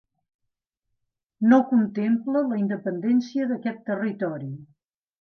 No contempla la independència d'aquest territori.